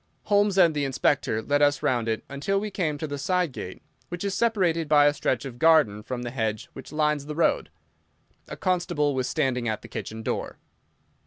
Holmes and the Inspector led us round it until we came to the side gate, which is separated by a stretch of garden from the hedge which lines the road. A constable was standing at the kitchen door.